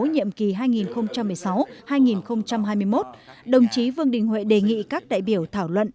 nhiệm kỳ hai nghìn một mươi sáu hai nghìn hai mươi một đồng chí vương đình huệ đề nghị các đại biểu thảo luận